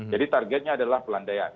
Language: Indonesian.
jadi targetnya adalah pelandaian